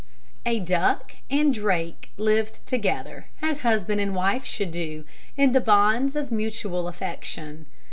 A Duck and drake lived together, as husband and wife should do, in the bonds of mutual affection.